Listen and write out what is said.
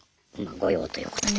御用ということで。